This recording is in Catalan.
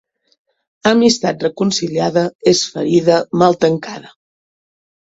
Amistat reconciliada és ferida mal tancada.